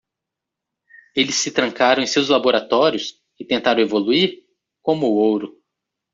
Eles se trancaram em seus laboratórios? e tentaram evoluir? como o ouro.